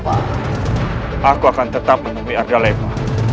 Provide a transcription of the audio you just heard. aku akan tetap menemui arda lainmu